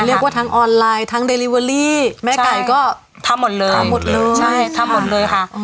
เรียกว่าทั้งออนไลน์ทั้งเดลิเวอรี่แม่ไก่ก็ทำหมดเลย